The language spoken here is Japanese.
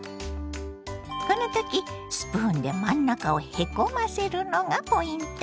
この時スプーンで真ん中をへこませるのがポイント。